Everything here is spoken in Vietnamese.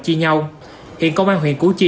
chi nhau hiện công an huyện củ chi